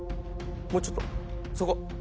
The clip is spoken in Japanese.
もうちょっとそこ。